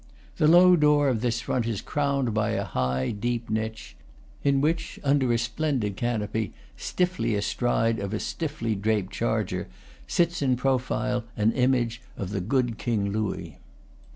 The low door of this front is crowned by a high, deep niche, in which, under a splendid canopy, stiffly astride of a stiffly draped charger, sits in profile an image of the good King Louis.